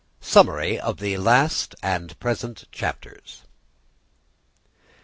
_Summary of the last and present Chapters.